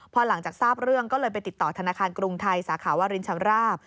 พอหลังจากทราบเรื่องก็เลยไปติดต่อธนาคารกรุงไทยสาขาวรินชำราบ